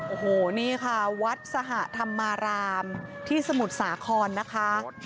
โอ้โหนี่ค่ะวัดสหธรรมารามที่สมุทรสาครนะคะ